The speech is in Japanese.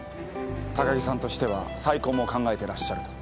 高木さんとしては再婚も考えてらっしゃると。